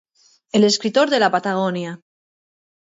El escritor de la Patagonia